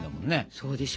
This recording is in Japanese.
そうでしょ。